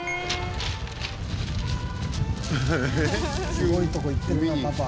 すごいとこ行ってるなパパ。